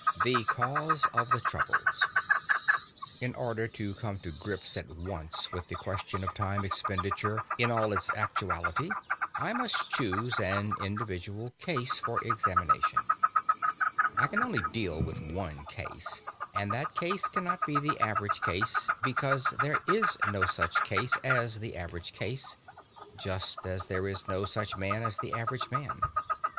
IV THE CAUSE OF THE TROUBLES In order to come to grips at once with the question of time expenditure in all its actuality, I must choose an individual case for examination. I can only deal with one case, and that case cannot be the average case, because there is no such case as the average case, just as there is no such man as the average man.